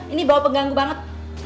ini bawa pengganggu banget